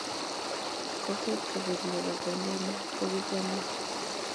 Kokwee kobek ne bo Kondeni ko kikonye